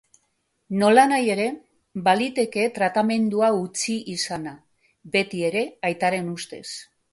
Nolanahi ere, baliteke tratamendua utzi izana, betiere aitaren ustez.